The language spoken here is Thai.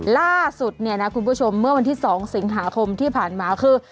ล่าสุดเนี่ยนะคุณผู้ชมเมื่อวันที่๒สิงหาคมที่ผ่านมาคือ